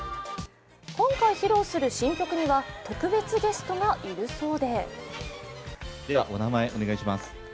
今回、披露する新曲には特別ゲストがいるそうで。